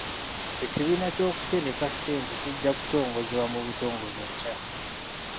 Ekibiina ky'okutereka ssente kijja kutongozebwa mu butongole enkya.